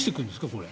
これ。